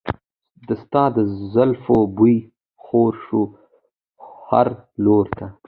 د ستا د زلفو بوی خور شو هر لور ته.